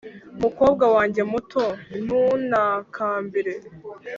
mukobwa wanjye muto, ntuntakambire.